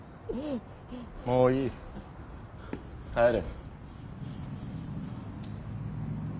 もういい帰れ。